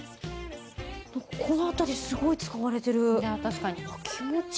ここの辺りすごい使われてる。